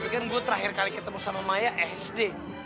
tapi kan gue terakhir kali ketemu sama maya sd